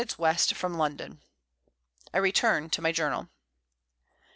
West from London. I return to my Journal.